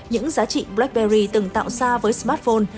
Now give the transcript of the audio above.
những giá trị blackberry từng tạo ra với smartphone